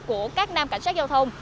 của các nam cảnh sát giao thông